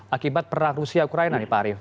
akibat perang rusia ukraina nih pak arief